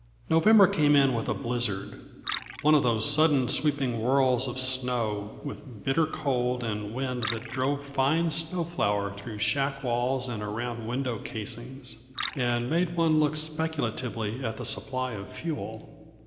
_ November came in with a blizzard; one of those sudden, sweeping whirls of snow, with bitter cold and a wind that drove the fine snow flour through shack walls and around window casings, and made one look speculatively at the supply of fuel.